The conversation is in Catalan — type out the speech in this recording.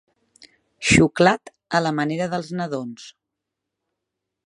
Xuclat a la manera dels nadons.